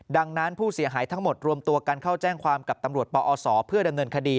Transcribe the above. ดังนั้นผู้เสียหายทั้งหมดรวมตัวกันเข้าแจ้งความกับตำรวจปอศเพื่อดำเนินคดี